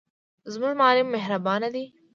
زموږ معلم مهربان دی.